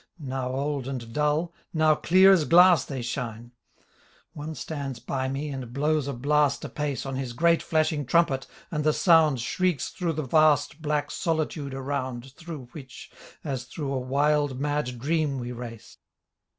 Now old and dull, now clear as glass they shine. One stands by me and blows a blast apace On his great flashing trumpet and the sound Shrieks through the vast black solitude around Through which, as through a wild mad dream we race.